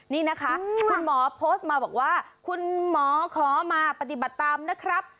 นี่นะคะคุณหมอโพสต์มาบอกว่าคุณหมอขอมาปฏิบัติตามนะครับ